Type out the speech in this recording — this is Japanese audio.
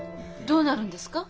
どうなるんですか？